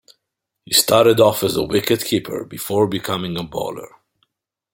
He started off as a wicket keeper before becoming a bowler.